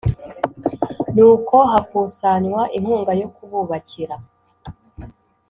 nuko hakusanywa inkunga yo kububakira